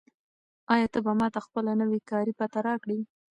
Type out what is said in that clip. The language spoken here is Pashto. آیا ته به ماته خپله نوې کاري پته راکړې؟